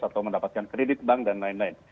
atau mendapatkan kredit bank dan lain lain